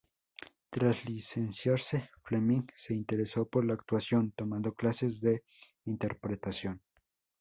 Tras licenciarse, Fleming se interesó por la actuación, tomando clases de interpretación.